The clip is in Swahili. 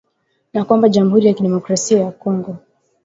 na kwamba jamhuri ya kidemokrasia ya Kongo